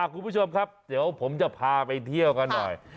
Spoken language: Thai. คุณผู้ชมครับเดี๋ยวผมจะพาไปเที่ยวกันหน่อย